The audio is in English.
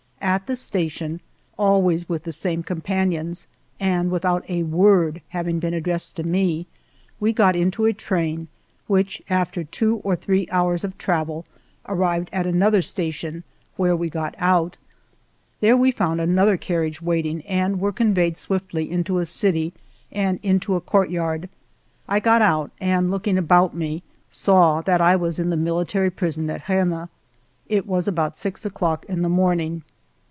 At the station, always with the same companions, and without a word having been addressed to me, we got into a train which, after two or three hours of travel, arrived at another station, where we got out. There we found another carriage waiting, and were conveyed swiftly to a city and into a court yard. I got out, and looking about me saw that I was in the military prison at Rennes. It was about six o'clock in the morning.